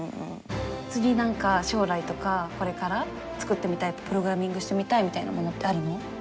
次何か将来とかこれから作ってみたいプログラミングしてみたいみたいなものってあるの？